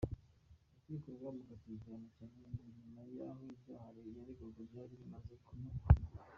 Urukiko rwamukatiye igihano cya burundu nyuma y’aho ibyaha yaregwaga byari bimaze kumuhama.